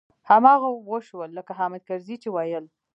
هماغه و شول لکه حامد کرزي چې ويل.